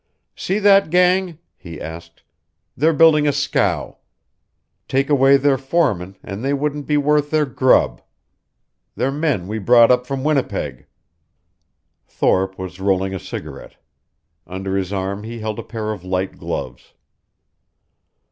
"See that gang?" he asked. "They're building a scow. Take away their foreman and they wouldn't be worth their grub. They're men we brought up from Winnipeg." Thorpe was rolling a cigarette. Under his arm he held a pair of light gloves.